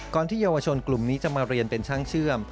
ที่เยาวชนกลุ่มนี้จะมาเรียนเป็นช่างเชื่อม